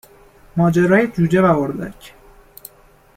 " ماجرای " جوجه و اردک